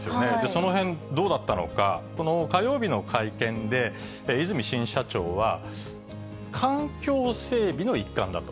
そのへん、どうだったのか、この火曜日の会見で、和泉新社長は、環境整備の一環だと。